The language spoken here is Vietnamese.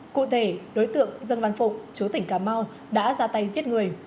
cụ thể đối tượng dân văn phụng chú tỉnh cà mau đã ra tay giết người